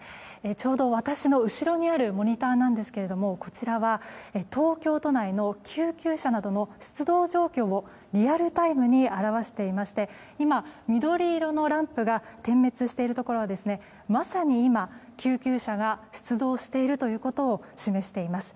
ちょうど私の後ろにあるモニターなんですがこちらは、東京都内の救急車などの出動状況をリアルタイムに表していまして今、緑色のランプが点滅しているところはまさに今、救急車が出動しているということを示しています。